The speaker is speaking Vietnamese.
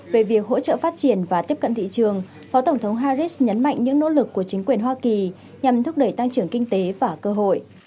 về việc hỗ trợ phát triển và tiếp cận thị trường phó tổng thống harris nhấn mạnh những nỗ lực của chính quyền hoa kỳ nhằm thúc đẩy tăng trưởng kinh tế và cơ hội